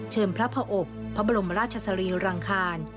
พระผอบพระบรมราชสรีรังคาร